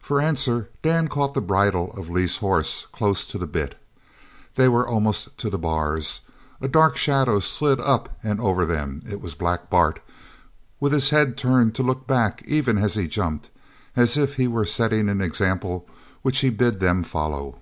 For answer Dan caught the bridle of Lee's horse close to the bit. They were almost to the bars. A dark shadow slid up and over them. It was Black Bart, with his head turned to look back even as he jumped, as if he were setting an example which he bid them follow.